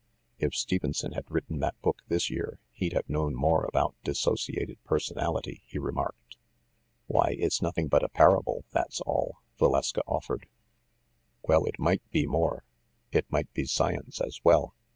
"If Stevenson had written that book this year, he'd have known more about dissociated personality," he remarked. "Why, it's nothing but a parable, that's all," Va leska offered. "Well, it might be more ; it might be science as well.